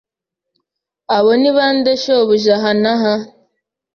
Abo ni bande shobuja aha n'aha